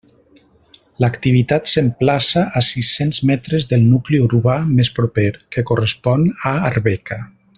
L'activitat s'emplaça a sis-cents metres del nucli urbà més proper, que correspon a Arbeca.